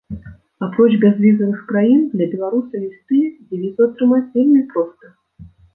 Апроч бязвізавых краін для беларуса, ёсць тыя, дзе візу атрымаць вельмі проста.